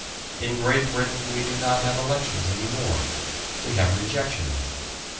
In Great Britain we do not have Elections any more; we have Rejections.